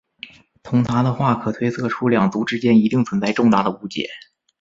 从她的话可推测出两族之间一定存在重大的误解。